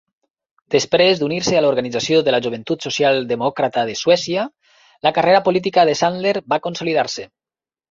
Després d'unir-se a l'Organització de la joventut social demòcrata de Suècia, la carrera política de Sandler va consolidar-se.